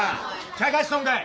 ちゃかしとんかい？